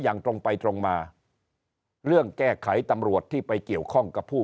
อย่างตรงไปตรงมาเรื่องแก้ไขตำรวจที่ไปเกี่ยวข้องกับผู้